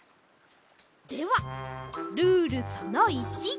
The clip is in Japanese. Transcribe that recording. ではルールその１！